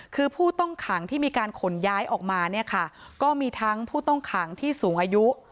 คือผู้ต้องขังที่มีการขนย้ายออกมาเนี่ยค่ะก็มีทั้งผู้ต้องขังที่สูงอายุ